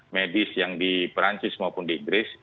medis yang di perancis maupun di inggris